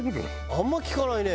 あんま聞かないね。